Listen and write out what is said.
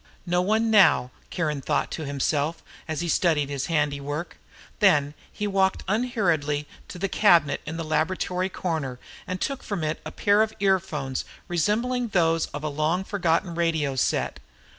"No one now," Kiron thought to himself as he studied his handiwork. Then he walked unhurriedly to the cabinet in the laboratory corner and took from it a pair of earphones resembling those of a long forgotten radio set.